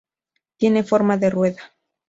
Tiene forma de rueda.